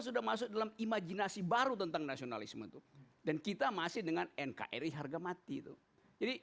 sudah masuk dalam imajinasi baru tentang nasionalisme itu dan kita masih dengan nkri harga mati itu jadi